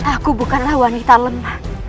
aku bukanlah wanita lemah